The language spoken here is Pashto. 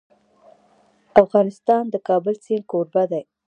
افغانستان د د کابل سیند کوربه دی.